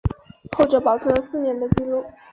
后者保持了四年的纪录。